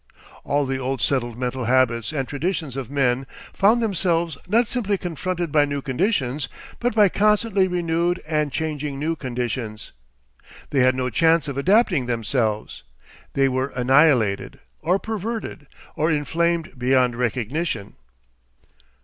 All the old settled mental habits and traditions of men found themselves not simply confronted by new conditions, but by constantly renewed and changing new conditions. They had no chance of adapting themselves. They were annihilated or perverted or inflamed beyond recognition.